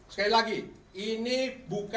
sekali lagi ini bukan